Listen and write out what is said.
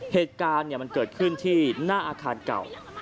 เหตุการณ์มันเกิดขึ้นที่หน้าอาคารเก่า